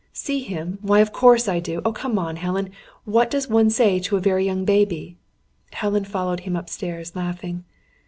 "See him? Why, of course I do! Oh, come on!... Helen! What does one say to a very young baby?" Helen followed him upstairs, laughing.